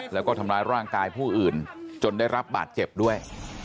แล้วก็ทำร้ายร่างกายผู้อื่นจนได้รับบาดเจ็บด้วย